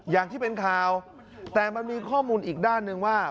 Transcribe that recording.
อย่างที่เป็นข่าวแต่มันมีข้อมูลอีกด้านหนึ่งว่า